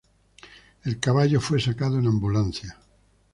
El caballo fue sacado en ambulancia.